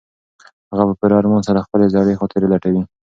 هغه په پوره ارمان سره خپلې زړې خاطرې لټوي.